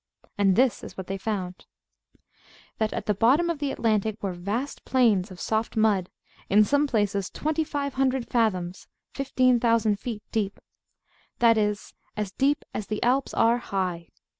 And this is what they found: That at the bottom of the Atlantic were vast plains of soft mud, in some places 2500 fathoms (15,000 feet) deep; that is, as deep as the Alps are high.